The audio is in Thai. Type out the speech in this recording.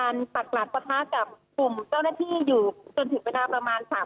จนถึงเวลาประมาณ๓ทุ่มครึ่งค่ะ